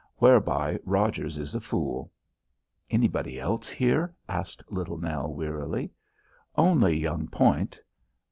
Whereby Rogers is a fool." "Anybody else here?" asked Little Nell wearily. "Only young Point."